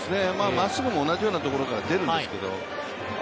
まっすぐも同じようなところから出るんですけど。